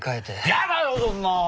やだよそんなあ！